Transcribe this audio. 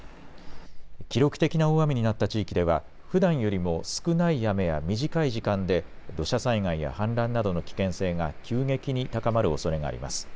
記録的な大雨になった地域では、ふだんよりも少ない雨や短い時間で、土砂災害や氾濫などの危険性が急激に高まるおそれがあります。